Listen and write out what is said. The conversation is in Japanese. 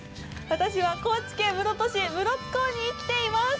私は、高知県室戸市室津港に来ています。